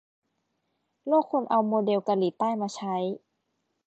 โลกควรเอาโมเดลเกาหลีใต้มาใช้